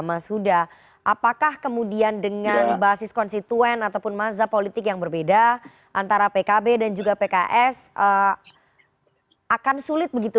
mas huda apakah kemudian dengan basis konstituen ataupun mazhab politik yang berbeda antara pkb dan juga pks akan sulit begitu